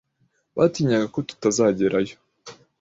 Batinyaga ko tutazagerayo.